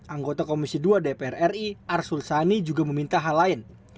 anggota komisi dua dpr ri arsul sani juga meminta hal lain